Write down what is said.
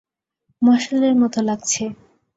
মশালের মত লাগছে।